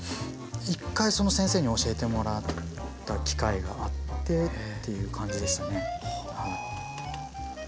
一回その先生に教えてもらった機会があってっていう感じでしたね。